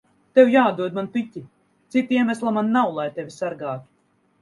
Tev jāatdod man piķi. Cita iemesla man nav, lai tevi sargātu.